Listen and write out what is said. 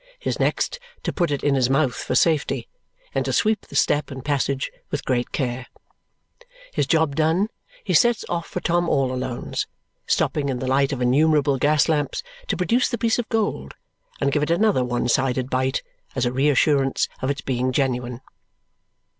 His next, to put it in his mouth for safety and to sweep the step and passage with great care. His job done, he sets off for Tom all Alone's, stopping in the light of innumerable gas lamps to produce the piece of gold and give it another one sided bite as a reassurance of its being genuine.